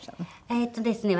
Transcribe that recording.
えっとですね